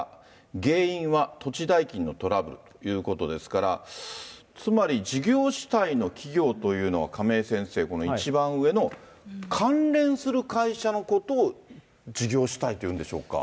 原因は土地代金のトラブルということですから、つまり事業主体の企業というのは、亀井先生、この一番上の関連する会社のことを事業主体というんでしょうか。